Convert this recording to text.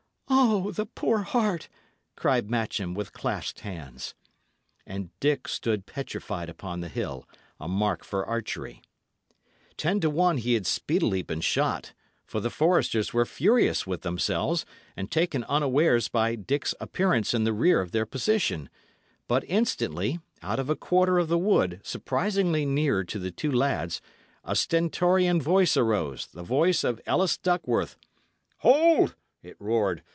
"O, the poor heart!" cried Matcham, with clasped hands. And Dick stood petrified upon the hill, a mark for archery. Ten to one he had speedily been shot for the foresters were furious with themselves, and taken unawares by Dick's appearance in the rear of their position but instantly, out of a quarter of the wood surprisingly near to the two lads, a stentorian voice arose, the voice of Ellis Duckworth. "Hold!" it roared.